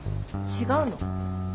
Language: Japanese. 違うの？